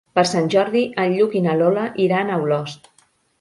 Per Sant Jordi en Lluc i na Lola iran a Olost.